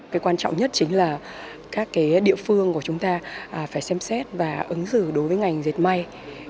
cái quan trọng nhất chính là các địa phương của chúng ta phải xem xét và ứng xử đối với ngành dệt may